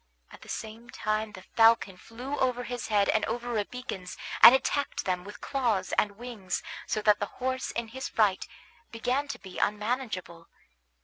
At the same time the falcon flew over his head and over Rabican's and attacked them with claws and wings, so that the horse in his fright began to be unmanageable.